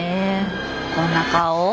こんな顔？